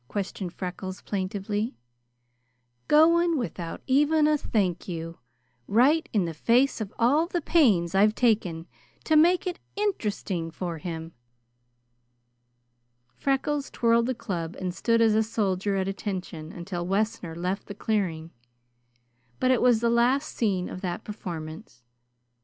questioned Freckles plaintively. "Going without even a 'thank you,' right in the face of all the pains I've taken to make it interesting for him!" Freckles twirled the club and stood as a soldier at attention until Wessner left the clearing, but it was the last scene of that performance.